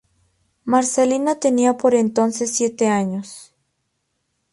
Marcelina tenía por entonces siete años.